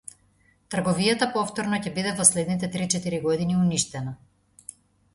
Трговијата повторно ќе биде во следните три-четири години уништена.